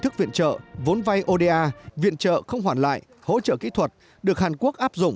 thức viện trợ vốn vay oda viện trợ không hoàn lại hỗ trợ kỹ thuật được hàn quốc áp dụng